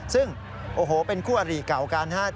ซึ่งโอ้โหเป็นคู่อริเก่ากันนะครับ